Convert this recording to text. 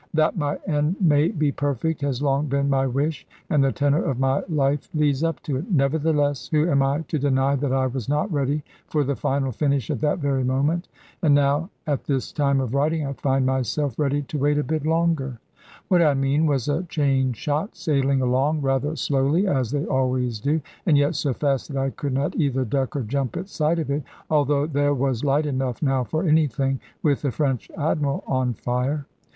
That my end may be perfect has long been my wish, and the tenor of my life leads up to it. Nevertheless, who am I to deny that I was not ready for the final finish at that very moment? And now, at this time of writing, I find myself ready to wait a bit longer. What I mean was a chain shot sailing along, rather slowly as they always do; and yet so fast that I could not either duck or jump at sight of it, although there was light enough now for anything, with the French Admiral on fire.